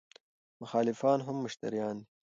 مخالفان هم مشتریان دي.